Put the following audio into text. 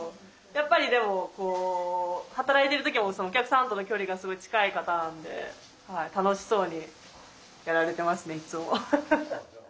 やっぱりでもこう働いてる時もお客さんとの距離がすごい近い方なんではい楽しそうにやられてますねいつも。